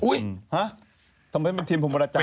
อุ๊ยทำไมเป็นเทียนพรหมจารีสีขาว